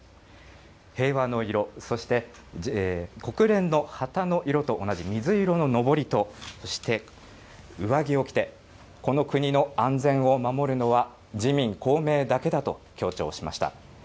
平和の色、そして国連の旗の色と同じ水色ののぼりとそして、上着を着て、この国の安全を守るのは自民公明だけだと強調しました。